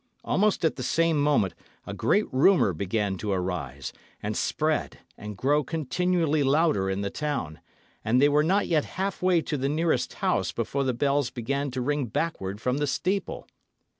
Almost at the same moment a great rumour began to arise, and spread and grow continually louder in the town; and they were not yet halfway to the nearest house before the bells began to ring backward from the steeple.